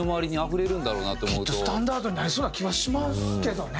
きっとスタンダードになりそうな気はしますけどね。